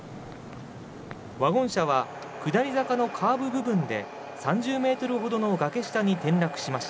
ワゴン車は下り坂のカーブ部分で３０メートルほどの崖下に転落し